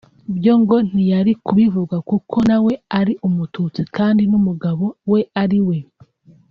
byo ngo ntiyari kubivuga kuko nawe ari Umututsi kandi n’umugabo we ariwe